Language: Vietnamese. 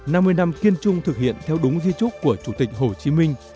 năm mươi năm kiên trung thực hiện theo đúng di trúc của chủ tịch hồ chí minh